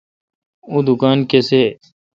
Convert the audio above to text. اوں دکان کسے°